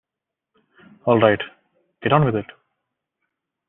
All right, get on with it.